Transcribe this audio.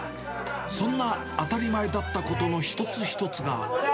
そんな当たり前だったことの一つ一つが。